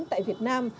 tại việt nam